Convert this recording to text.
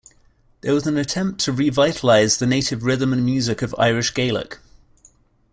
There was an attempt to re-vitalize the native rhythm and music of Irish Gaelic.